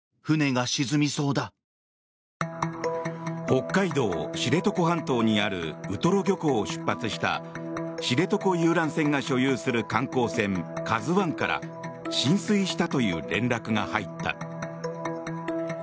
北海道・知床半島にあるウトロ漁港を出発した知床遊覧船が所有する観光船「ＫＡＺＵ１」から浸水したという連絡が入った。